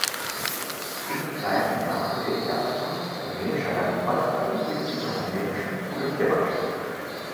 Im gleichen Jahr wurde er erstmals rumänischer Landesmeister und Mitglied der rumänischen Olympiamannschaft.